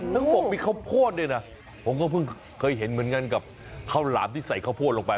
แล้วก็บอกมีข้าวโพดด้วยนะผมก็เพิ่งเคยเห็นเหมือนกันกับข้าวหลามที่ใส่ข้าวโพดลงไป